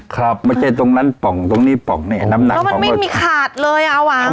ครับไม่ใช่ตรงนั้นป่องตรงนี้ป่องเนี่ยน้ำหนักแล้วมันไม่มีขาดเลยอ่ะ